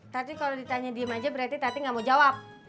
tati kalau ditanya diem aja berarti tati gak mau jawab